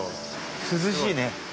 涼しいね。